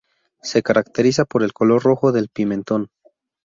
Se caracteriza por el color rojo del pimentón.